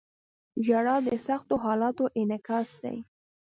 • ژړا د سختو حالاتو انعکاس دی.